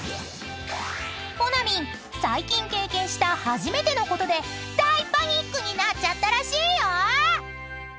［ほなみん最近経験した初めてのことで大パニックになっちゃったらしいよ！］